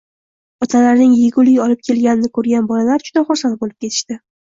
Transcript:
Otalarining egulik olib kelganini ko`rgan bolalar juda xursand bo`lib ketishdi